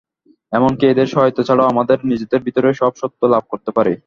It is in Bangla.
এমন-কি এদের সহায়তা ছাড়াও আমাদের নিজেদের ভিতরেই সব সত্য লাভ করতে পারি।